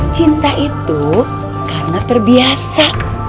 cinta itu karena terbiasa